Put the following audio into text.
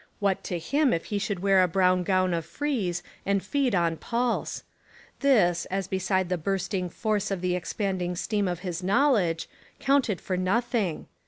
What to him if he should wear a brown gown of frieze and feed on pulse ! This, as beside the bursting force of the expanding steam of his knowledge, counted for nothing.